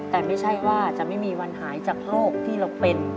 แต่ไม่ใช่ว่าจะไม่มีวันหายจากโรคที่เราเป็น